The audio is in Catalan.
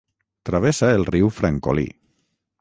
Travessa el riu Francolí.